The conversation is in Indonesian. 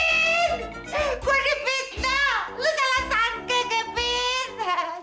lo salah sangkeh kevin